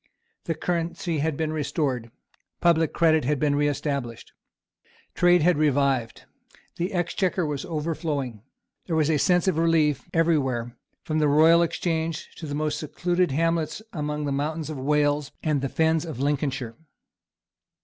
The currency had been restored. Public credit had been reestablished. Trade had revived. The Exchequer was overflowing. There was a sense of relief every where, from the Royal Exchange to the most secluded hamlets among the mountains of Wales and the fens of Lincolnshire.